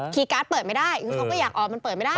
การ์ดเปิดไม่ได้คือเขาก็อยากออกมันเปิดไม่ได้